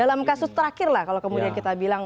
dalam kasus terakhir lah kalau kemudian kita bilang